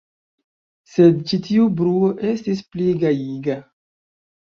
Sed ĉi tiu bruo estis pli gajiga.